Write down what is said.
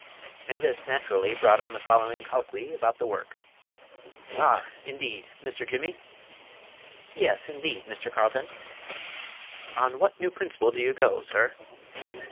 And this naturally brought on the following colloquy about the work: "Ah! indeed! Mr. Jimmy?" "Yes, indeed, Mr. Carlton." "On what new principle do you go, sir?"